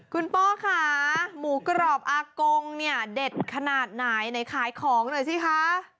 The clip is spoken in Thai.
คุณโป้ค่ะหมูกรอบอากงเนี่ยเด็ดขนาดไหนไหนขายของหน่อยสิคะ